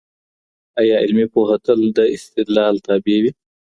ایا علمي پوهه تل د استدلال تابع وي؟